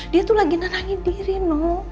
dia tuh lagi nerangin diri no